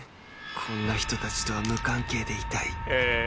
こんな人たちとは無関係でいたいへえ。